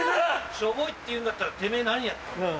ショボいって言うんだったらてめぇ何やったんだよ。